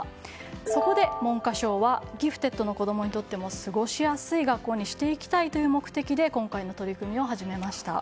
そこで、文科省はギフテッドの子供にとっても過ごしやすい学校にしていきたいという目的で今回の取り組みを始めました。